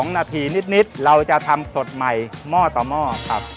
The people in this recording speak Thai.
๒นาทีนิดเราจะทำสดใหม่หม้อต่อหม้อครับ